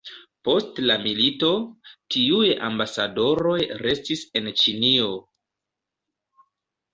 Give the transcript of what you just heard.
Post la milito, tiuj ambasadoroj restis en Ĉinio.